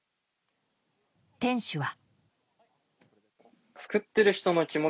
店主は。